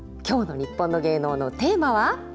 今日の「にっぽんの芸能」のテーマは？